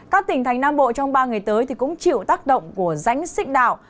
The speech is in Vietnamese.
các tỉnh thành nam bộ trong ba ngày tới cũng chịu tác động của rãnh xích đạo